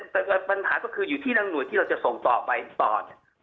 แต่ปัญหาก็คืออยู่ที่นางห่วยที่เราจะส่งต่อไปต่อเนี่ย